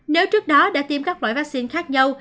nếu trước đó đã tiêm các loại vaccine khác nhau